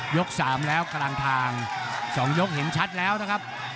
๓แล้วกลางทาง๒ยกเห็นชัดแล้วนะครับ